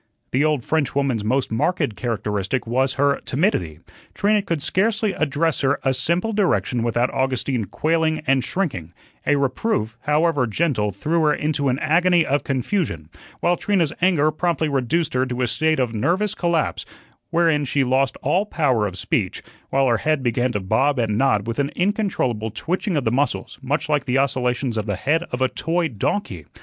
The old French woman's most marked characteristic was her timidity. Trina could scarcely address her a simple direction without Augustine quailing and shrinking; a reproof, however gentle, threw her into an agony of confusion; while Trina's anger promptly reduced her to a state of nervous collapse, wherein she lost all power of speech, while her head began to bob and nod with an incontrollable twitching of the muscles, much like the oscillations of the head of a toy donkey.